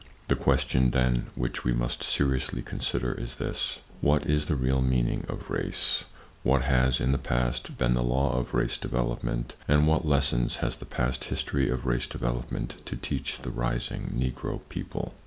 The question, then, which we must seriously consider is this: What is the real meaning of Race; what has, in the past, been the law of race development, and what lessons has the past history of race development to teach the rising Negro people?